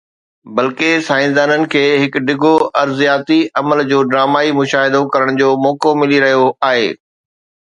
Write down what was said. بلڪه، سائنسدانن کي هڪ ڊگهو ارضياتي عمل جو ڊرامائي مشاهدو ڪرڻ جو موقعو ملي رهيو آهي.